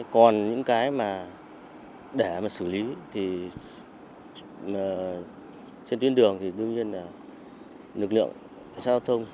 còn những cái mà để mà xử lý thì trên tuyến đường thì đương nhiên là lực lượng cảnh sát giao thông